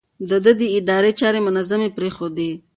ده د ادارې چارې منظمې پرېښودې.